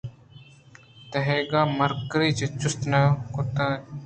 تنیگہ مِرکریؔ ءَ جُست نہ کُتگ اَت